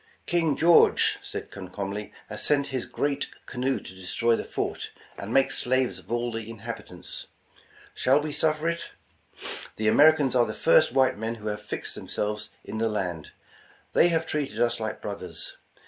''King George," said Comcomly, ''has sent his great canoe to destroy the fort, and make slaves of all the in habitants. Shall we suffer it? The Americans are the first white men who have fixed themselves in the land. They have treated us like brothers.